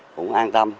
cũng an tâm